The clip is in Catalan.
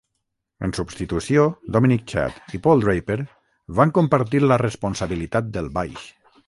En substitució, Dominic Chad i Paul Draper van compartir la responsabilitat del baix.